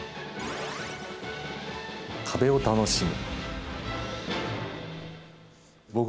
壁を楽しむ。